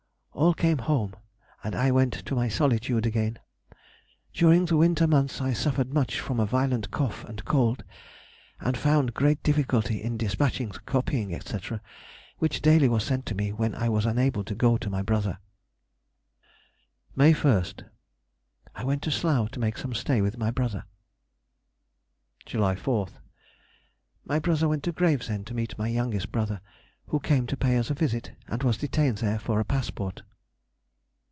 _—All came home, and I went to my solitude again. During the winter months I suffered much from a violent cough and cold, and found great difficulty in despatching the copying, &c., which daily was sent to me when I was unable to go to my brother. [Sidenote: 1805 1806. Extracts from Diary.] May 1st.—I went to Slough to make some stay with my brother. July 4th.—My brother went to Gravesend to meet my youngest brother (who came to pay us a visit), and was detained there for a passport.